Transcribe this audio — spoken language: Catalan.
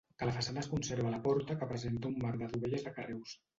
De la façana es conserva la porta que presenta un marc de dovelles de carreus.